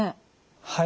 はい。